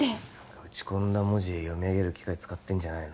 打ち込んだ文字読み上げる機械使ってんじゃないの？